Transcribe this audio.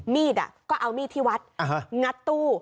มีดก็เอามีดที่วัดงัดตู้